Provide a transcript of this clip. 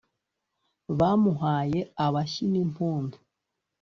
bamuhaye abashyi n’impundu